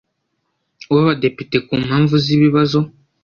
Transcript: w abadepite ku mpamvu z ibibazo